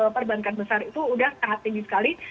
perbankan besar itu sudah sangat tinggi sekali